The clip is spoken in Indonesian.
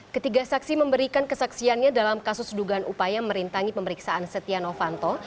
ketiga saksi memberikan kesaksiannya dalam kasus dugaan upaya merintangi pemeriksaan setia novanto